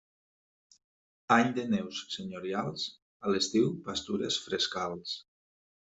Any de neus senyorials, a l'estiu pastures frescals.